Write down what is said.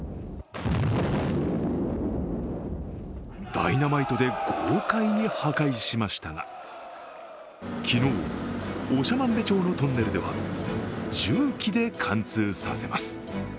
ダイナマイトで豪快に破壊しましたが昨日、長万部町のトンネルでは重機で貫通させます。